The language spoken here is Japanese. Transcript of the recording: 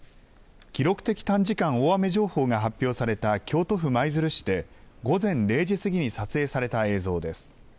記録的短時間大雨情報が発表された京都府舞鶴市で午前０時過ぎに撮影された映像です。